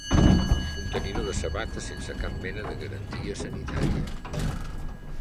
Contenidor de sabates sense cap mena de garantia sanitària.